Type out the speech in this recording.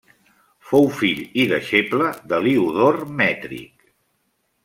Fou fill i deixeble d'Heliodor Mètric.